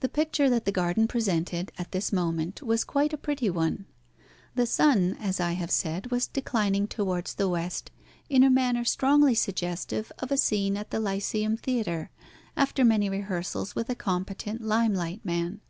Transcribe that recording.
The picture that the garden presented at this moment was quite a pretty one. The sun, as I have said, was declining towards the West in a manner strongly suggestive of a scene at the Lyceum Theatre after many rehearsals with a competent lime light man.